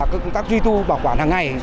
các công tác duy tu bảo quản hàng ngày